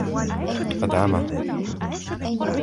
أدعمه.